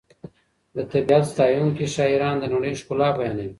د طبیعت ستایونکي شاعران د نړۍ ښکلا بیانوي.